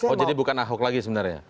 oh jadi bukan ahok lagi sebenarnya